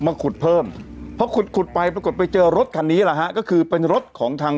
มาขุดเพิ่มเพราะขุดขุดไปปรากฏไปเจอรถคันนี้แหละฮะก็คือเป็นรถของทาง